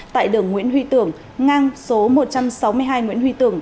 tại đường nguyễn huy tưởng ngang số một trăm sáu mươi hai nguyễn huy tưởng